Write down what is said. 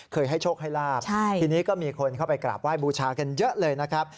ให้โชคให้ลาบทีนี้ก็มีคนเข้าไปกราบไห้บูชากันเยอะเลยนะครับ